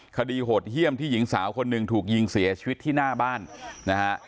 โหดเยี่ยมที่หญิงสาวคนหนึ่งถูกยิงเสียชีวิตที่หน้าบ้านนะฮะ